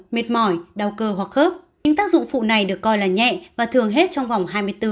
mệt mỏi đau cơ hoặc khớp những tác dụng phụ này được coi là nhẹ và thường hết trong vòng hai mươi bốn bốn mươi tám